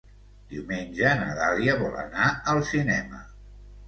Diumenge na Dàlia vol anar al cinema.